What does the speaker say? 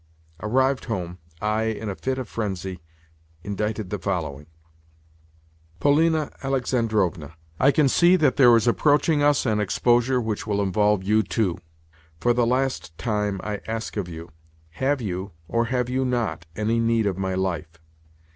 Arrived home, I, in a fit of frenzy, indited the following: "Polina Alexandrovna, I can see that there is approaching us an exposure which will involve you too. For the last time I ask of you—have you, or have you not, any need of my life?